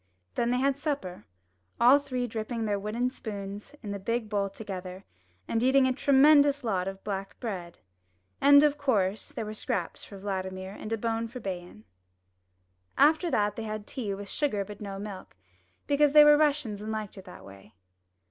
Then they had supper, all three dipping their wooden spoons in the big bowl together, and eating a tremen dous lot of black bread. And, of course, there were scraps for Vladimir and a bone for Bay an. 220 UP ONE PAIR OF STAIRS After that they had tea with sugar but no milk, because they were Russians and Hked it that way.